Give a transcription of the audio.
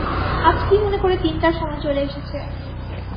আজ কী মনে করে তিনটার সময় চলে এসেছে।